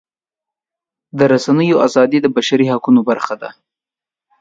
د رسنیو ازادي د بشري حقونو برخه ده.